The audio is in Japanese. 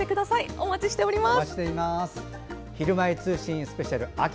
お待ちしています。